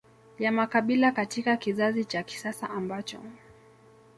ya makabila katika kizazi cha kisasa ambacho